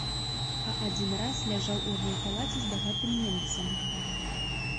А адзін раз ляжаў у адной палаце з багатым немцам.